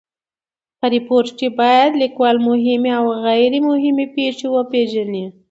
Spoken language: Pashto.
په ریپورټ کښي باید لیکوال مهمي اوغیري مهمي پېښي وپېژني.